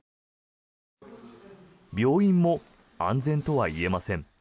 病院も安全とは言えません。